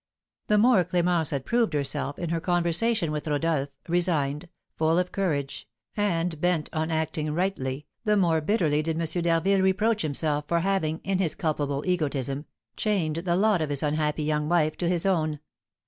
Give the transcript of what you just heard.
The more Clémence had proved herself, in her conversation with Rodolph, resigned, full of courage, and bent on acting rightly, the more bitterly did M. d'Harville reproach himself for having, in his culpable egotism, chained the lot of his unhappy young wife to his own.